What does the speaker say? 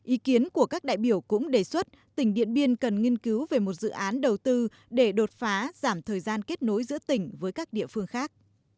ý kiến của các đại biểu cũng đề xuất tỉnh điện biên cần nghiên cứu về một dự án đầu tư để đột phá giảm thời gian kết nối giữa tỉnh với các địa phương khác